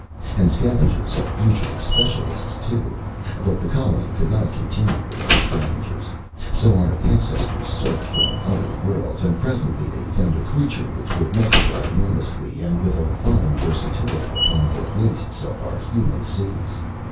And scavengers are usually specialists, too. But the colony could not continue without scavengers! So our ancestors searched on other worlds, and presently they found a creature which would multiply enormously and with a fine versatility upon the wastes of our human cities.